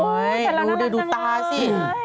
อ๋อแต่ละล่างเลยดูตาสิ